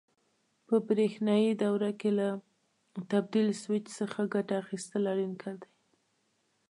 په برېښنایي دوره کې له تبدیل سویچ څخه ګټه اخیستل اړین کار دی.